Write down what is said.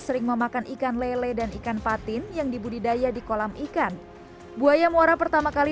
sering memakan ikan lele dan ikan patin yang dibudidaya di kolam ikan buaya muara pertama kali